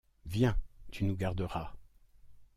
Viens, tu nous garderas!